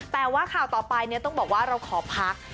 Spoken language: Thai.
แต่ว่าข่าวต่อไปต้องบอกว่าเราขอพัก